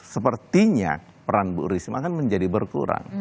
sepertinya peran bu risma akan menjadi berkurang